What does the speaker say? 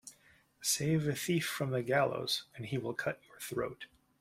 Save a thief from the gallows and he will cut your throat.